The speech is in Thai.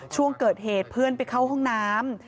ช่วงเกิดเหตุเพื่อนไปเข้าห้องน้ำ